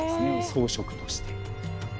装飾として。